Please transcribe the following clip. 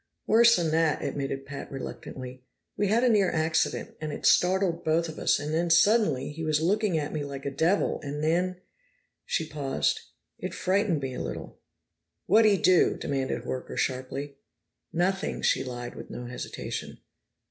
"Worse than that," admitted Pat reluctantly. "We had a near accident, and it startled both of us, and then suddenly, he was looking at me like a devil, and then " She paused. "It frightened me a little." "What'd he do?" demanded Horker sharply. "Nothing." She lied with no hesitation.